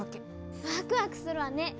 ワクワクするわね。